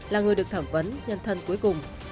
là người được thẩm vấn nhân thân cuối cùng